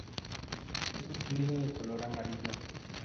Es un sólido de color amarillo.